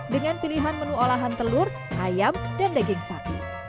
dengan pilihan menu olahan telur ayam dan daging sapi